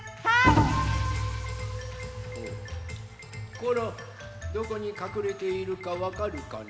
コロどこにかくれているかわかるかの？